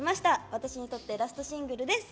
私にとってラストシングルです。